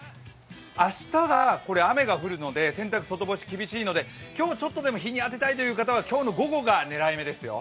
明日は雨が降るので、洗濯、外干し厳しいので今日ちょっとでも日に当てたいという方は今日の午後が狙い目ですよ。